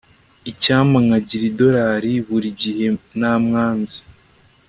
icyampa nkagira idorari buri gihe namwanze